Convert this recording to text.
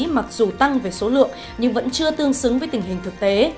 mặc dù tăng về số lượng nhưng vẫn chưa tương xứng với tình hình thực tế